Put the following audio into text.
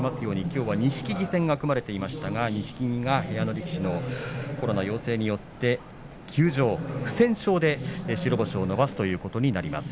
きょうは錦木戦が組まれていましたが錦木が部屋の力士のコロナ陽性によって不戦勝で白星を伸ばすことになります。